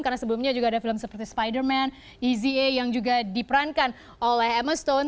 karena sebelumnya juga ada film seperti spiderman easy a yang juga diperankan oleh emma stone